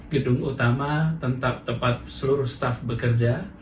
gedung utama tempat tempat seluruh staf bekerja